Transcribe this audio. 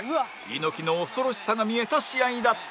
猪木の恐ろしさが見えた試合だった